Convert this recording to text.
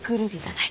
はい。